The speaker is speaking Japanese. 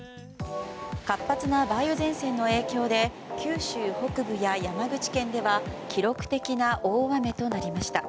活発な梅雨前線の影響で九州北部や山口県で記録的な大雨となりました。